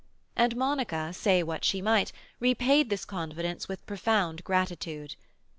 And Monica, say what she might, repaid this confidence with profound gratitude.